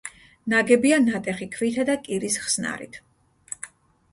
ნაგებია ნატეხი ქვითა და კირის ხსნარით.